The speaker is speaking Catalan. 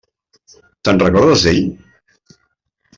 Te'n recordes, d'ell?